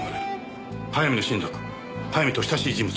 早見の親族早見と親しい人物